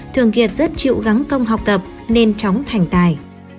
thường kiệt rất chịu gắng công học tập nên chóng thành tài